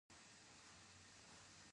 په افریقا او امریکا کې.